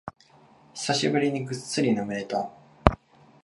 久しぶりにぐっすり眠れた